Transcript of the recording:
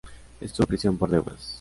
Estuvo en prisión por deudas.